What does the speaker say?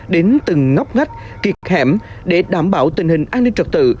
đến từng ngóc ngách kiệt hẻm để đảm bảo tình hình an ninh trật tự